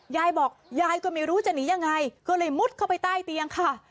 ยายบอกยายก็ไม่รู้จะหนียังไงก็เลยมุดเข้าไปใต้เตียงค่ะ